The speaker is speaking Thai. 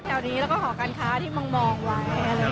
แต่วันนี้เราก็ขอการค้าที่มังมองไว้